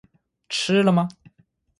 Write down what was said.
吃了吗